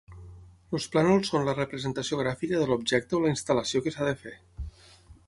Els plànols són la representació gràfica de l'objecte o la instal·lació que s'ha de fer.